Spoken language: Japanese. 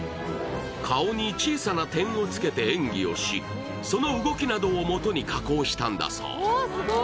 顔に小さな点を付けて演技をし、その動きなどをもとに加工したんだそう。